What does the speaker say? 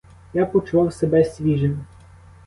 Я почував себе свіжим.